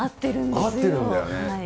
合ってるんだよね。